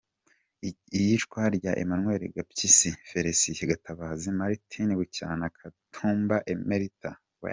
c.Iyicwa rya Emmanuel Gapyisi , Felicien Gatabazi, Martin Bucyana, Katumba, Emelita.